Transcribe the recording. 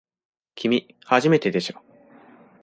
きみ、初めてでしょ。